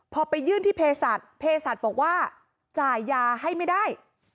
พอไปยื่นที่เพศัตว์เพศัตริย์บอกว่าจ่ายยาให้ไม่ได้